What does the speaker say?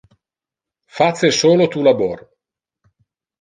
Face solo tu labor.